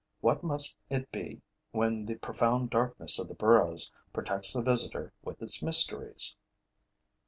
What must it be when the profound darkness of the burrows protects the visitor with its mysteries!